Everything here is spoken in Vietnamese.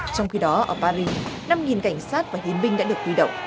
trong khi đó ở paris năm cảnh sát và hiến binh đã được huy động